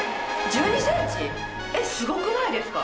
えっすごくないですか？